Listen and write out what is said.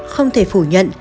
không thể phủ nhận